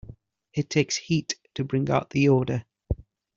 It takes heat to bring out the odor.